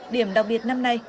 điểm đặc biệt năm nay